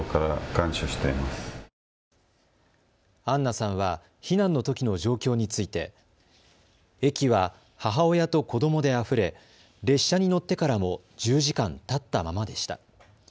アンナさんは避難のときの状況について駅は母親と子どもであふれ列車に乗ってからも１０時間立ったままでした。